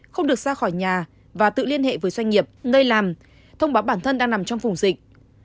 không được ra khỏi nhà và tự liên hệ với doanh nghiệp nơi làm thông báo bản thân đang nằm trong vùng dịch